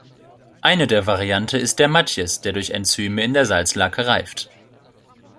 Eine Variante ist der "Matjes", der durch Enzyme in der Salzlake reift.